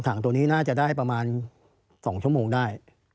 ถังตัวนี้น่าจะได้ประมาณ๒ชั่วโมงได้